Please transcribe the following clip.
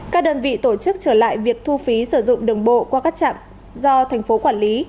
các đơn vị tổ chức trở lại việc thu phí sử dụng đường bộ qua các trạm do thành phố quản lý